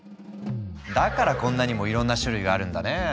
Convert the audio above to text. だからこんなにもいろんな種類があるんだね。